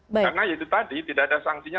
karena itu tadi tidak ada sanksinya